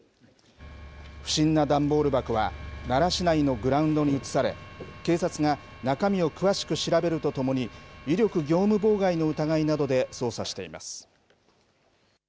不審な段ボール箱は奈良市内のグラウンドに移され、警察が中身を詳しく調べるとともに、威力業務妨害の疑いなどで捜査しています。